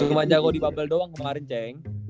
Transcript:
cuma jago di bubble doang kemaren cenk